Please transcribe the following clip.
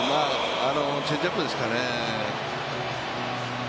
チェンジアップですかね。